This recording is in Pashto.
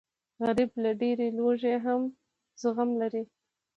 غریب له ډېرې لوږې هم زغم لري